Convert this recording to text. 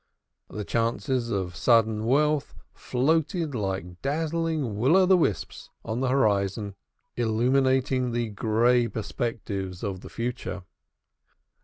The chances of sudden wealth floated like dazzling Will o' the Wisps on the horizon, illumining the gray perspectives of the future.